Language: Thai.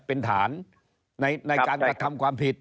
เป็นฐานในการกระทำความผิด